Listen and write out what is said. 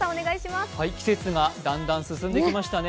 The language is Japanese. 季節がだんだん進んできましたね。